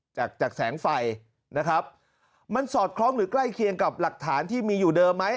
จากจากแสงไฟนะครับมันสอดคล้องหรือใกล้เคียงกับหลักฐานที่มีอยู่เดิมไหม